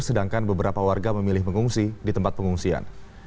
sedangkan beberapa warga memilih mengungsi di tempat pengungsian